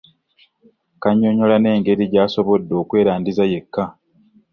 Kannyonnyola n'engeri gy'asobodde okwerandiza yekka